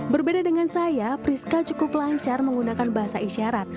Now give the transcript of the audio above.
berbeda dengan saya priska cukup lancar menggunakan bahasa isyarat